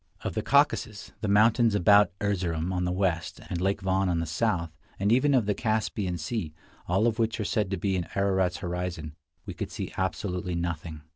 Of the Caucasus, the mountains about Erzerum on the west, and Lake Van on the south, and even of the Caspian Sea, all of which are said to be in Ararat's horizon, we could see absolutely nothing.